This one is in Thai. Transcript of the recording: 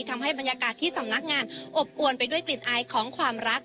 ทำให้บรรยากาศที่สำนักงานอบอวนไปด้วยกลิ่นอายของความรัก